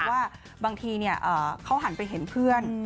ว่าบางทีเขาหันไปเห็นเพื่อน